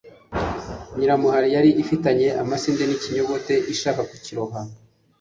nyiramuhari yari ifitanye amasinde n'ikinyogote ishaka kukiroha